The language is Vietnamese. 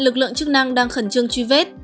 lực lượng chức năng đang khẩn trương truy vết